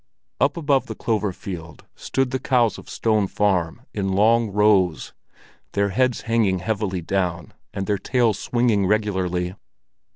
Up above the clover field stood the cows of Stone Farm in long rows, their heads hanging heavily down, and their tails swinging regularly.